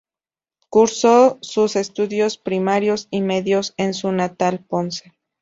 Cursó sus estudios primarios y medios en su natal Ponce.